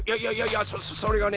やそれがね